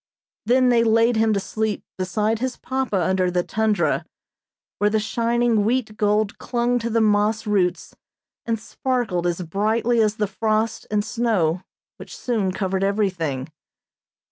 Then they laid him to sleep beside his papa under the tundra, where the shining wheat gold clung to the moss roots and sparkled as brightly as the frost and snow which soon covered everything.